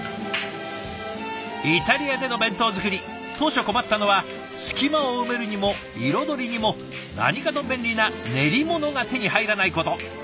イタリアでの弁当作り当初困ったのは隙間を埋めるにも彩りにも何かと便利な練り物が手に入らないこと。